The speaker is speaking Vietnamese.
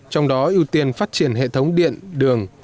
trong đó ưu tiên phát triển hệ thống điện đường